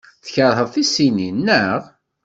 Tkeṛheḍ tissisin, naɣ?